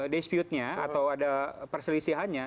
dispute nya atau ada perselisihannya